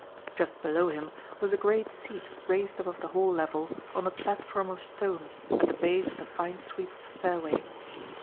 Just below him was a great seat raised above the hall level on a platform of stone at the base of the fine sweep of stairway.